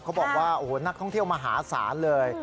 เขาบอกว่าโอ้โหนักท่องเที่ยวมหาศาลเลย